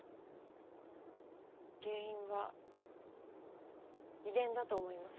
原因は遺伝だと思います。